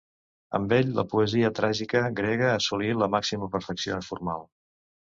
Amb ell, la poesia tràgica grega assolí la màxima perfecció formal.